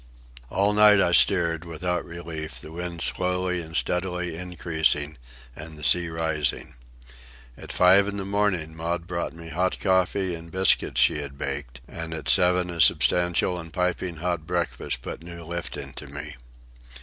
All night I steered, without relief, the wind slowly and steadily increasing and the sea rising. At five in the morning Maud brought me hot coffee and biscuits she had baked, and at seven a substantial and piping hot breakfast put new life into me.